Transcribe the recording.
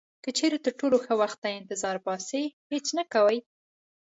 که چیرې تر ټولو ښه وخت ته انتظار باسئ هیڅ نه کوئ.